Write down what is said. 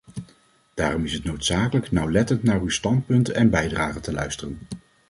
Daarom is het noodzakelijk nauwlettend naar uw standpunten en bijdragen te luisteren.